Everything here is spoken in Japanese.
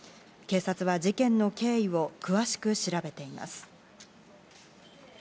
警察は事件の経緯を詳しく調べています。